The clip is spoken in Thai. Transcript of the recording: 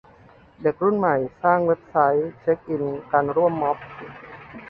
เด็กรุ่นใหม่สร้างเว็บไซต์เช็คอินการร่วมม็อบ